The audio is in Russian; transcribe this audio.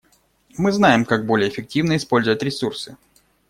Мы знаем, как более эффективно использовать ресурсы.